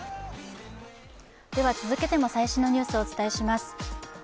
続けても最新のニュース、お伝えします。